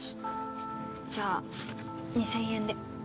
じゃあ２０００円で。